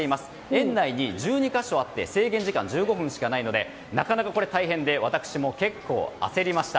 園内に１２か所あって制限時間１５分しかないのでなかなか大変で私も結構、焦りました。